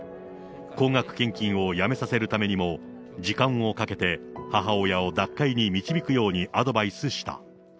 高額献金をやめさせるためにも、時間をかけて母親を脱会に導くようにアドバイスした。